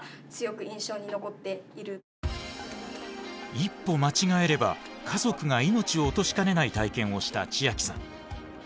一歩間違えれば家族が命を落としかねない体験をした千秋さん。